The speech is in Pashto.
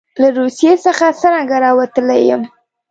له روسیې څخه څرنګه راوتلی یم.